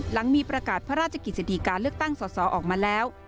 หลังมีประกาศพระราชกิจสดีการเลือกตั้งสอสอออกมาแล้ว